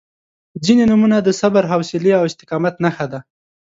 • ځینې نومونه د صبر، حوصلې او استقامت نښه ده.